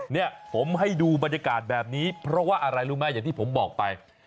เนี่ยผมให้ดูบรรยากาศแบบนี้เพราะว่าอะไรรู้ไหมอย่างที่ผมบอกไป